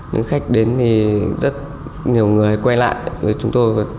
những khách đến thì rất nhiều người quay lại với chúng tôi